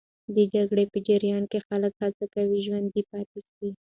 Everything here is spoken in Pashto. د جګړې په جریان کې خلک هڅه کوي ژوندي پاتې سي.